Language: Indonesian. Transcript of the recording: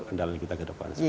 kedalam kita ke depan